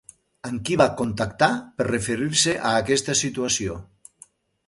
Amb qui va contactar per referir-se a aquesta situació?